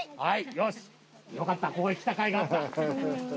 よし、よかった、ここへ来たかいがあった。